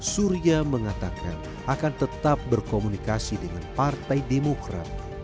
surya mengatakan akan tetap berkomunikasi dengan partai demokrat